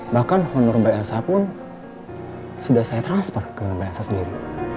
bahkan honor mbak elsa pun sudah saya transfer ke mbak elsa sendiri